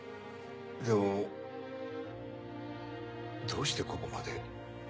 でもどうしてここまで？